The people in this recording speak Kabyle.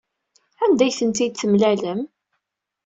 Anda ay tent-id-temlalem?